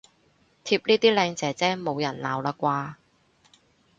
貼呢啲靚姐姐冇人鬧喇啩